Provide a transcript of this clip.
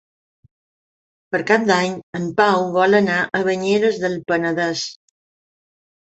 Per Cap d'Any en Pau vol anar a Banyeres del Penedès.